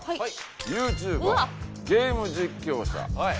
「ＹｏｕＴｕｂｅｒゲーム実況者」